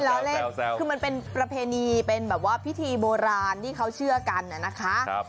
แล้วคือมันเป็นประเพณีเป็นแบบว่าพิธีโบราณที่เขาเชื่อกันนะคะ